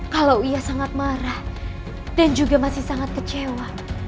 kalau ia sangat marah dan juga masih sangat kecewa